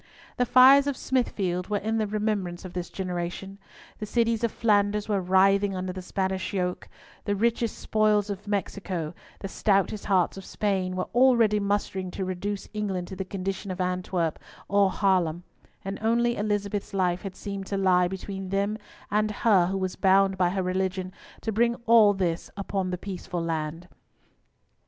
The fires of Smithfield were in the remembrance of this generation. The cities of Flanders were writhing under the Spanish yoke; "the richest spoils of Mexico, the stoutest hearts of Spain," were already mustering to reduce England to the condition of Antwerp or Haarlem; and only Elizabeth's life had seemed to lie between them and her who was bound by her religion to bring all this upon the peaceful land.